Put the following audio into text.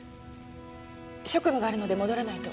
職務があるので戻らないと。